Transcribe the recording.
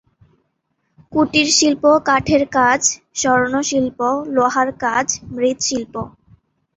কুটিরশিল্প কাঠের কাজ, স্বর্ণশিল্প, লোহার কাজ, মৃৎশিল্প।